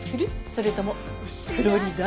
それともフロリダ？